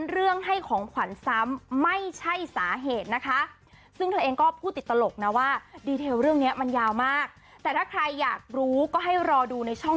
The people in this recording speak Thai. เรื่องเนี้ยมันยาวมากแต่ถ้าใครอยากรู้ก็ให้รอดูในช่อง